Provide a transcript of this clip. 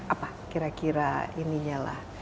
apa kira kira ininya lah